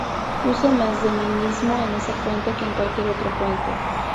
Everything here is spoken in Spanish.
Puse más de mí mismo en ese puente que en cualquier otro puente".